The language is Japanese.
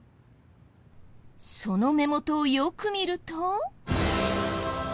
その目元をよく見ると。